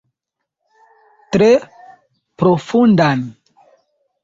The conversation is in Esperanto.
Tre profundan.